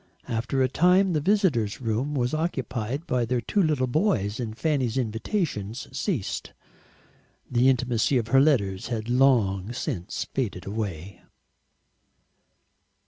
After a time the visitor's room was occupied by their two little boys, and Fanny's invitations ceased. The intimacy of her letters had long since faded away.